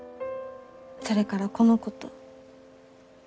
それからこの子と。